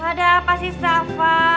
ada apa sih safa